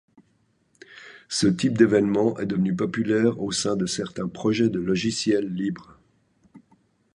Ce type d'évènement est devenu populaire au sein de certains projets de logiciels libres.